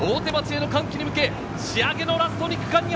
大手町への歓喜に向け、仕上げのラスト。